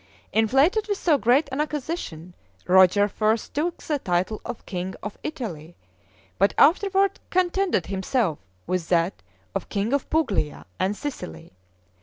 Inflated with so great an acquisition, Roger first took the title of king of Italy, but afterward contented himself with that of king of Puglia and Sicily.